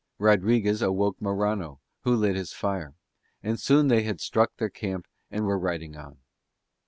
Rodriguez awoke Morano, who lit his fire: and soon they had struck their camp and were riding on.